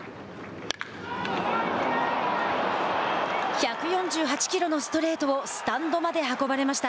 １４８キロのストレートをスタンドまで運ばれました。